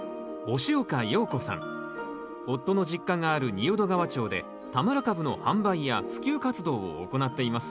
夫の実家がある仁淀川町で田村かぶの販売や普及活動を行っています